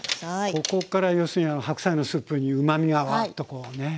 ここから要するにあの白菜のスープにうまみがわっとこうねいくんですね。